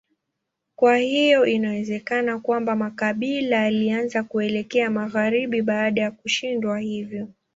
Kwa hiyo inawezekana kwamba makabila yalianza kuelekea magharibi baada ya kushindwa hivyo.